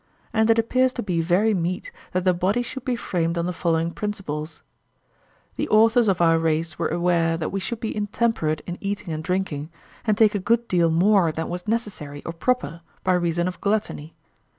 And it appears to be very meet that the body should be framed on the following principles:— The authors of our race were aware that we should be intemperate in eating and drinking, and take a good deal more than was necessary or proper, by reason of gluttony.